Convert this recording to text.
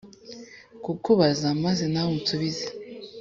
kukubaza maze nawe unsubize